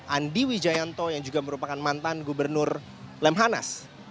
andi wijayanto yang juga merupakan mantan gubernur lemhanas